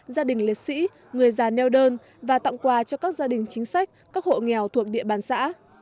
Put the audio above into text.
gia đình liệt sĩ người già neo đơn và tặng quà cho các gia đình chính sách các hộ nghèo thuộc địa bàn xã